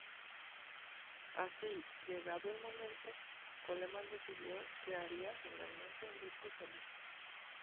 Así, llegado el momento, Coleman decidió que haría finalmente un disco solista.